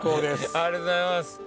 ありがとうございます。